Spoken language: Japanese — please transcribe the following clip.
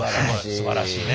すばらしいね！